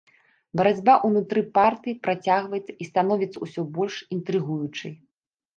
Барацьба ўнутры партыі працягваецца і становіцца ўсё больш інтрыгуючай.